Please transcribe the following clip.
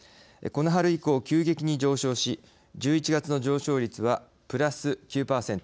この春以降、急激に上昇し１１月の上昇率はプラス９％。